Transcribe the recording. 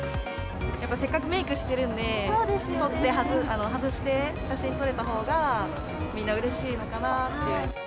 やっぱせっかくメークしてるんで、外して写真撮れたほうが、みんなうれしいのかなって。